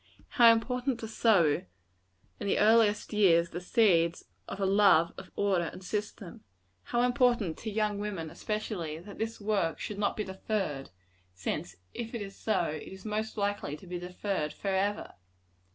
How important to sow, in the earliest years, the seeds of a love of order and system! How important to young women, especially, that this work should not be deferred; since if it is so, it is most likely to be deferred forever.